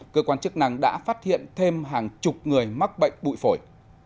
cơ quan chức năng đã phát hiện thêm hàng chục người mắc bệnh bụi phổi